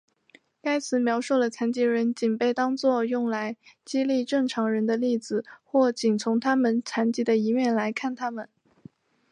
该词描述了残疾人仅被当做用来激励正常人的例子或仅从他们残疾的一面来看他们。